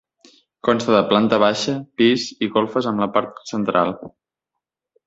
Consta de planta baixa, pis i golfes a la part central.